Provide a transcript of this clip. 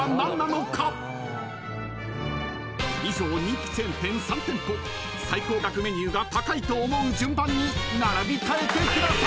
［以上人気チェーン店３店舗最高額メニューが高いと思う順番に並び替えてください］